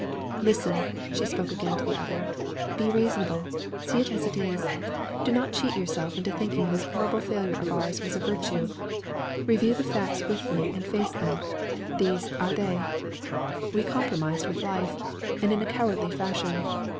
'Listen' she spoke again to the other. 'Be reasonable. See it as it is. Do not cheat yourself into thinking this horrible failure of ours was a virtue. Review the facts with me and face them. These are they: we compromised with life, and in a cowardly fashion.